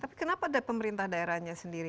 tapi kenapa ada pemerintah daerahnya sendiri